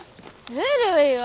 ずるいわ。